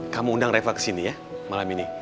kamu undang reva kesini ya malam ini